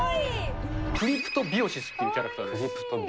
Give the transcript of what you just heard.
クリプトビオシスというキャラです。